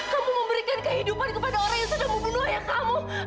kamu memberikan kehidupan kepada orang yang sudah membunuh ayah kamu